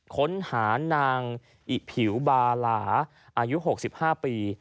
ค้นหานางอิผิวบาลาอายุ๖๕ปี